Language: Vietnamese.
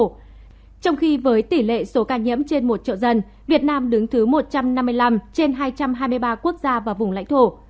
trong khi với tỷ lệ số ca nhiễm trên một triệu dân việt nam đứng thứ một trăm năm mươi năm trên hai trăm hai mươi ba quốc gia và vùng lãnh thổ